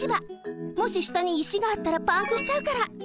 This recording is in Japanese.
もししたに石があったらパンクしちゃうから。